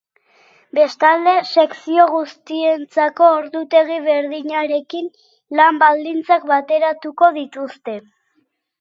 Bestalde, sekzio guztientzako ordutegi berdinarekin, lan-baldintzak bateratuko dituzte.